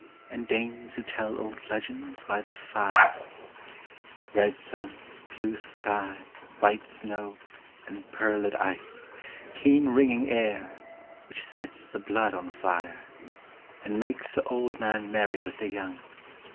And dames who tell old legends by the fire ? Red sun, blue sky, white snow, and pearled ice, Keen ringing air, which sets the blood on fire, And makes the old man merry with the young.